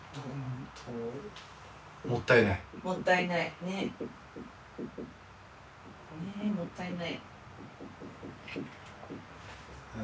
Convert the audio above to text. ねえもったいない。